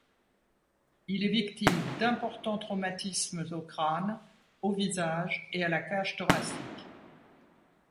Il est victime d’importants traumatismes au crâne, au visage et à la cage thoracique.